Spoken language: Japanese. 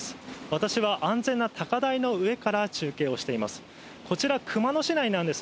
私は安全な高台の上から中継をしています。